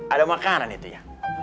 ada makanan itu ya